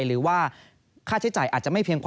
หรือว่าค่าใช้จ่ายอาจจะไม่เพียงพอ